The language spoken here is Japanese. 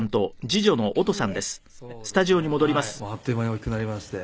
あっという間に大きくなりまして。